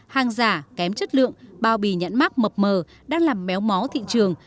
hàng giả kém chất lượng bao bì nhãn mát mập mờ đang làm méo mó thị trường